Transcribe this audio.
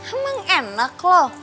emang enak lu